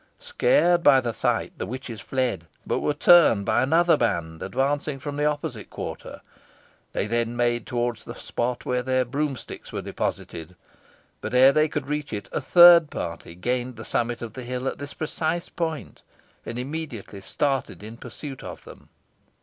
Scared by the sight, the witches fled, but were turned by another band advancing from the opposite quarter. They then made towards the spot where their broomsticks were deposited, but ere they could reach it, a third party gained the summit of the hill at this precise point, and immediately started in pursuit of them.